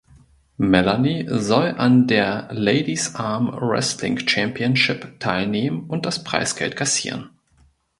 Melanie soll an der Ladies Arm Wrestling Championship teilnehmen und das Preisgeld kassieren.